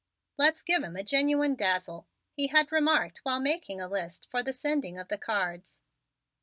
"Let's give him a genuine dazzle," he had remarked while making a list for the sending of the cards.